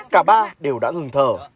cả ba đều đã ngừng thở